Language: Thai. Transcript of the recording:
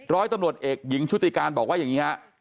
ร้อยตำรวจเอกหญิงชุติการบอกว่าอย่างนี้ฮะ